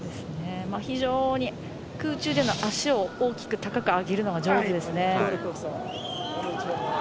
非常に空中で足を大きく高く上げるのが上手ですね。